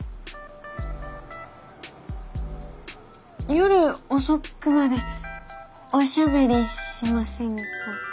夜遅くまでおしゃべりしませんか？